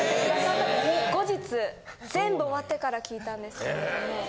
後日全部終わってから聞いたんですけれども。